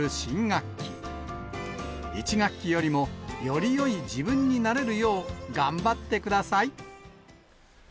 １学期よりも、よりよい自分になれるよう、頑張ってください。